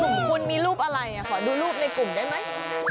กลุ่มคุณมีรูปอะไรขอดูรูปในกลุ่มได้ไหม